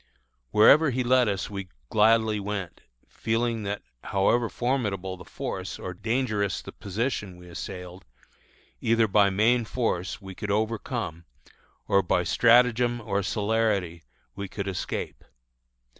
Wherever he led us we gladly went, feeling that however formidable the force or dangerous the position we assailed, either by main force we could overcome, or by stratagem or celerity we could escape.